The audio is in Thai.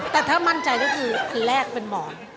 แต่ถ้ามั่นใจก็คืออันแรกเป็นหมอน